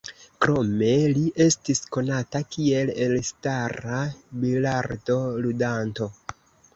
Krome li estis konata kiel elstara bilardo-ludanto.